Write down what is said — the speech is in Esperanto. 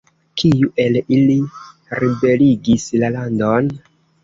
Kiu el ili ribeligis la landon?